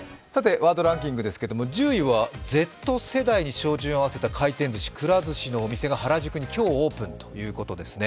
ワードランキングですけれども、１０位はＺ世代に焦点を合わせた回転ずしくら寿司のお店が原宿に今日オープンということですね。